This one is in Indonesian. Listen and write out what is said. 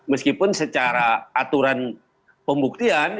meskipun secara aturan pembuktian